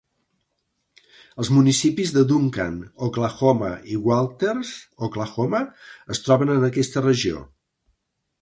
Els municipis de Duncan, Oklahoma i Walters (Oklahoma) es troben en aquesta regió.